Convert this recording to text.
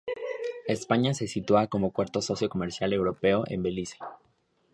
España se sitúa como cuarto socio comercial europeo en Belice.